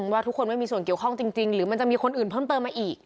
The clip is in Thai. ว่าทุกคนไม่มีส่วนเกี่ยวข้องจริงหรือมันจะมีคนอื่นเพิ่มเติมมาอีก